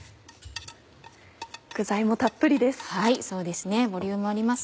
具材もたっぷりです。